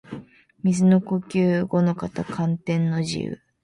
水の呼吸伍ノ型干天の慈雨（ごのかたかんてんのじう）